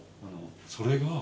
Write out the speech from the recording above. それが。